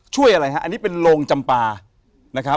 ช่วยอะไรครับอันนี้เป็นโรงจำปา